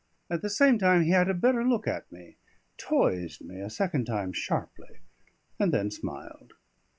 At the same time he had a better look at me, toised me a second time sharply, and then smiled.